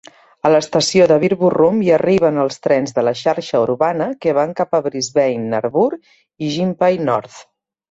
A l'estació de Beerburrum hi arriben els trens de la xarxa urbana que van cap a Brisbane, Nambour i Gympie North.